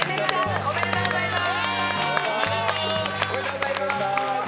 おめでとうございます。